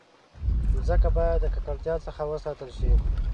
مځکه باید د ککړتیا څخه وساتل شي.